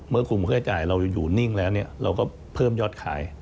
เมื่อคุมค่าใช้จ่ายเราอยู่นิ่งแล้วเราก็เพิ่มยอดขาย